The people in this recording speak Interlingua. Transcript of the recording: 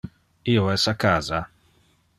Io es a casa.